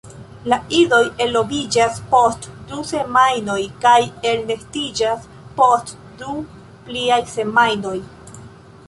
La idoj eloviĝas post du semajnoj kaj elnestiĝas post du pliaj semajnoj.